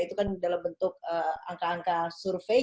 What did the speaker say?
itu kan dalam bentuk angka angka survei